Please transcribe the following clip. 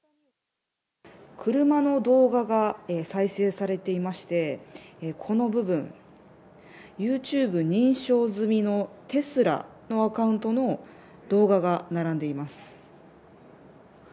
車の動画が再生されていましてこの部分ＹｏｕＴｕｂｅ認証済みのテスラのアカウントの動画が並んでいます。